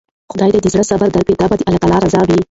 خداى د زړه صبر درکړي، دا به د الله رضا وه.